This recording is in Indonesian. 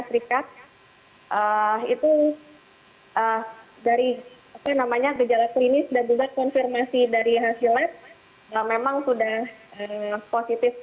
serikat itu dari namanya gejala klinis dan juga konfirmasi dari hasilnya memang sudah positif